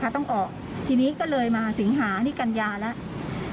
ต้องออกทีนี้ก็เลยมาสิงหานี่กัญญาแล้ว